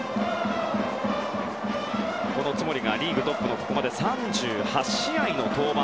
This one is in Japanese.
この津森がリーグトップのここまで３８試合の登板。